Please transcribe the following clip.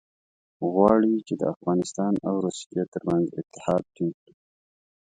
غواړي چې د افغانستان او روسیې ترمنځ اتحاد ټینګ کړي.